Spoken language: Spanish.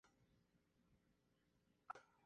Jugaba de defensa y actualmente se encuentra sin equipo.